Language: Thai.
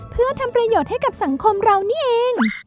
เพื่อทำประโยชน์ให้กับสังคมเรานี่เอง